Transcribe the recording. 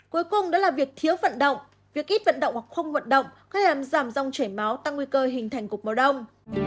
cuối cùng đó là việc thiếu vận động việc ít vận động hoặc không vận động cách làm giảm dòng chảy máu tăng nguy cơ hình thành cục máu đông